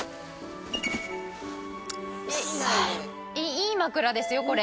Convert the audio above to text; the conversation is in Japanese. いい枕ですよこれ。